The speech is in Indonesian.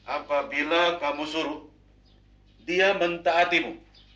apabila kamu suruh dia mentaatimu